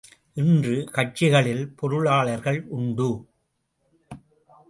இன்று கட்சிகளில் பொருளாளர்கள் உண்டு.